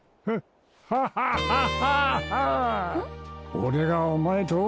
俺がお前と？